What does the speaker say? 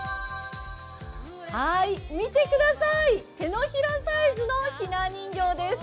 見てください、手のひらサイズのひな人形です。